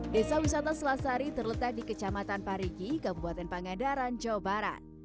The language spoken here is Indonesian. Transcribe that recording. desa wisata selasari terletak di kecamatan parigi kabupaten pangadaran jawa barat